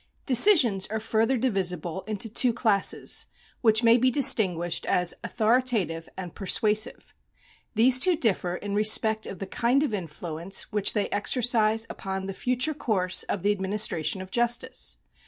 Decisions are further divisible into two classes, which may be distinguished as authoritative and persuasive. These two differ in respect of the kind of influence which they exercise upon the future course of the administration of justice.